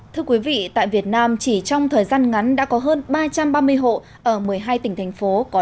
thưa quý vị tại việt nam chỉ trong thời gian ngắn đã có hơn ba trăm ba mươi hộ ở một mươi hai tỉnh thành phố